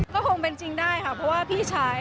ก็คงเป็นจริงได้ค่ะเพราะว่าพี่ชาย